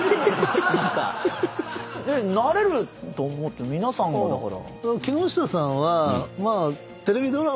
なれると思って皆さんがだから。